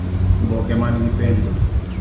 Oboke man gi penjo: